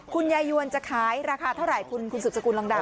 คุณยายวนจะขายราคาเท่าไรคุณสูตรสกุลลองดาวน์